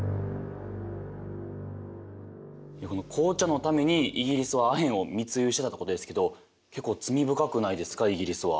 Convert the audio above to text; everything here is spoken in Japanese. いやこの紅茶のためにイギリスはアヘンを密輸してたってことですけど結構罪深くないですかイギリスは。